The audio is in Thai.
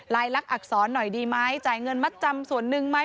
ลักษรหน่อยดีไหมจ่ายเงินมัดจำส่วนหนึ่งไหม